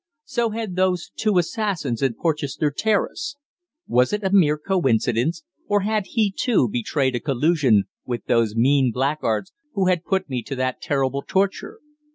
So had those two assassins in Porchester Terrace! Was it a mere coincidence, or had he, too, betrayed a collusion with those mean blackguards who had put me to that horrible torture?